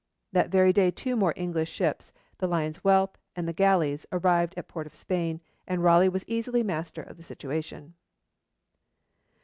That very day two more English ships, the 'Lion's Whelp' and the 'Galleys,' arrived at Port of Spain, and Raleigh was easily master of the situation.